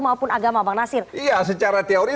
maupun agama bang nasir iya secara teori